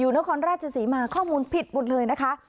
นครราชศรีมาข้อมูลผิดหมดเลยนะคะ